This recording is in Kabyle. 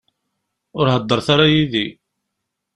Ur heddṛet ara yid-i.